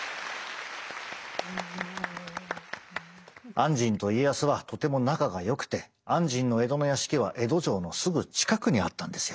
按針と家康はとても仲がよくて按針の江戸の屋敷は江戸城のすぐ近くにあったんですよ。